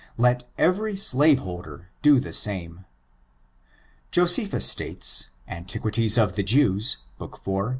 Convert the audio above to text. Let every slaveholder do the same. Josephus states, Antiquities of the Jews, book 4, p.